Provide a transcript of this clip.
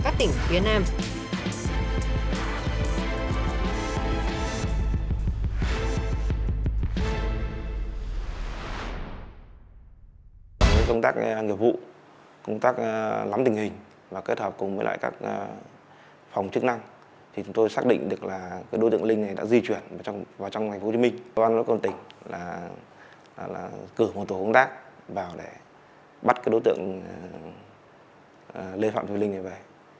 công tác nghiệp vụ công tác nghiệp vụ là cử một tuổi công tác vào để bắt đối tượng lê phạm thùy linh về